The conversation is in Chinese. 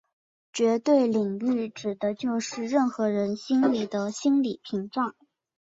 绝对领域指的就是任何人心里的心理屏障。